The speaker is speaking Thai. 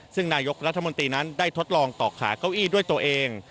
ซึ่งนายกรัฐมนตรีนั้นได้ทดลองต่อขาเก้าอี้ด้วยตัวเอง